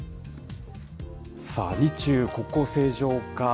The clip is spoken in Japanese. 日中国交正常化